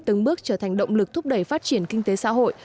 từng bước trở thành động lực thúc đẩy phát triển kinh tế xã hội